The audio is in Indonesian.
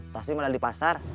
tas ini malah di pasar